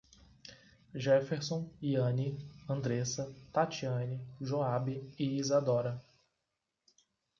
Geferson, Iane, Andressa, Tatiane, Joabe e Isadora